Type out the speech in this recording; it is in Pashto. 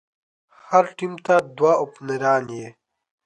هر ټيم ته دوه اوپنران يي.